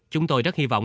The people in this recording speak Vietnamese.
chúng tôi rất hy vọng